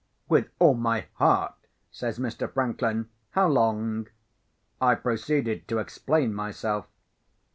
"With all my heart," says Mr. Franklin. "How long?" I proceeded to explain myself.